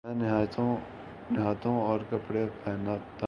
میں نہاتاہوں اور کپڑے پہنتا ہوں